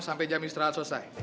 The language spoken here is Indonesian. sampai jam istirahat selesai